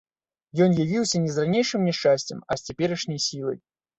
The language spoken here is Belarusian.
Ён явіўся не з ранейшым няшчасцем, а з цяперашняй сілай.